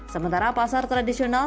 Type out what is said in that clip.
sementara pasar tradisional